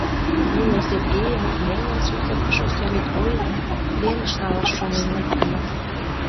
Нуно Сергейым, нелын сусыргышо совет воиным, пленыш налаш шонен лектыныт.